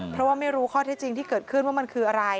เพราะว่าไม่รู้ข้อเท็จจริงที่เกิดขึ้นว่ามันคืออะไร